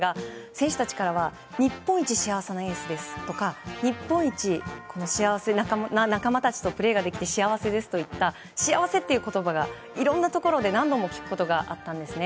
選手たちからは日本一幸せなエースですとか日本一、幸せな仲間たちと共にプレーできて幸せですといった幸せという言葉をいろんなところで何度も聞くことがあったんです。